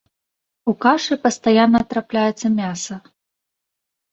У кашы пастаянна трапляецца мяса.